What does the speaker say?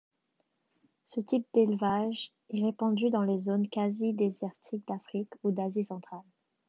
Ce type d'élevage est répandu dans les zones quasi-désertiques d'Afrique ou d'Asie centrale.